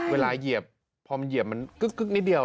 เวลาเหยียบพอเหยียบกึ๊กนิดเดียว